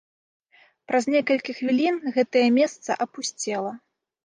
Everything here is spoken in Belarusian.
Праз некалькі хвілін гэтае месца апусцела.